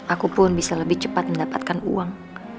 aku pun bisa lebih cepat mendapatkan uang